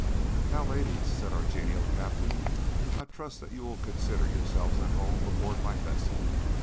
"Now, ladies," said our genial Captain, "I trust that you will consider yourselves at home aboard my vessel.